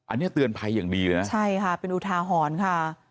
อันนี้เตือนภัยอย่างดีเลยนะใช่ค่ะเป็นอุทาหรณ์ค่ะ